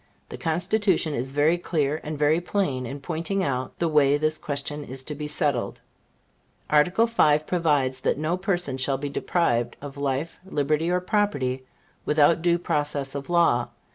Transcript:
The Constitution is very clear and very plain in pointing out the way this question is to be settled. Article V. provides that no person shall be deprived of life, liberty or property without due process of law.